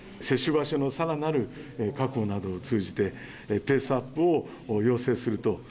接種場所のさらなる確保などを通じて、ペースアップを要請すると。